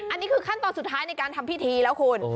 อันนี้คือขั้นตอนสุดท้ายในการทำพิธีแล้วคุณ